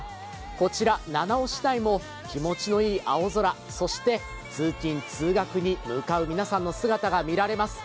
こちら、七尾市内も気持ちのいい青空そして通勤通学に向かう皆さんの姿が見られます。